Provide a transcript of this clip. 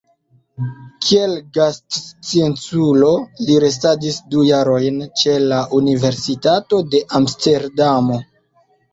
Kiel gastscienculo li restadis du jarojn ĉe la Universitato de Amsterdamo.